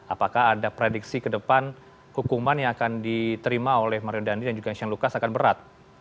apakah ada prediksi ke depan hukuman yang akan diterima oleh mario dandi dan juga shane lucas akan berat